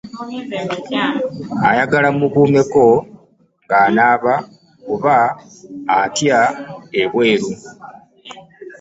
Ayagala mmukuumeko ng'anaaba kuba atya ebweru.